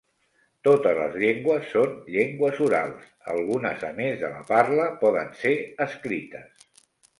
Totes les llengües són llengües orals, algunes a més de la parla poden ser escrites.